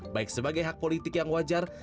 baik sebagai hak politik yang wajar